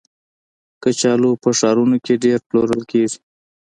کچالو په ښارونو کې ډېر پلورل کېږي